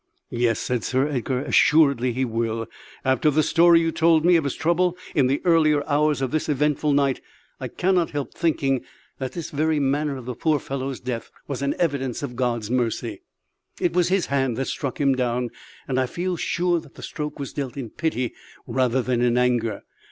"Yes," said Sir Edgar, "assuredly He will. After the story you told me of his trouble in the earlier hours of this eventful night I cannot help thinking that the very manner of the poor fellow's death was an evidence of God's mercy. It was His hand that struck him down; and I feel sure that the stroke was dealt in pity rather than in anger.